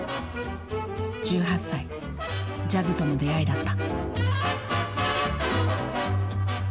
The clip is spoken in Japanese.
１８歳ジャズとの出会いだった。